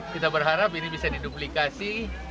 kita berharap ini bisa diduplikasi